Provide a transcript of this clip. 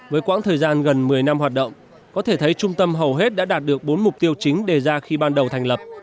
với quãng thời gian gần một mươi năm hoạt động có thể thấy trung tâm hầu hết đã đạt được bốn mục tiêu chính đề ra khi ban đầu thành lập